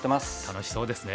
楽しそうですね。